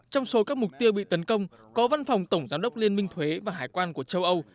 trong số các mục tiêu bị tấn công có văn phòng tổng giám đốc liên minh thuế và hải quan của châu âu